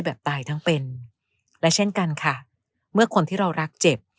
แบบตายทั้งเป็นและเช่นกันค่ะเมื่อคนที่เรารักเจ็บ